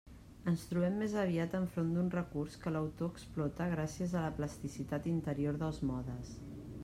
Ens trobem més aviat enfront d'un recurs que l'autor explota gràcies a la plasticitat interior dels modes.